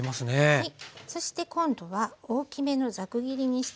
はい。